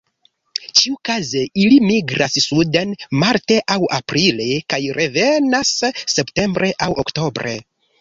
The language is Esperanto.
Ĉiukaze ili migras suden marte aŭ aprile kaj revenas septembre aŭ oktobre.